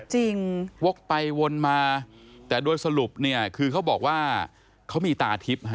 วกไปวนมาแต่โดยสรุปเนี่ยคือเขาบอกว่าเขามีตาทิพย์ฮะ